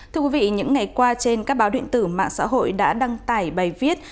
thưa quý vị những ngày qua trên các báo điện tử mạng xã hội đã đăng tải bài viết